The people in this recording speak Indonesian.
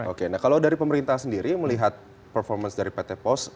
oke nah kalau dari pemerintah sendiri melihat performance dari pt pos